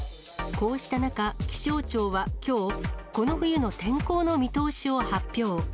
こうした中、気象庁はきょう、この冬の天候の見通しを発表。